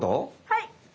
はい！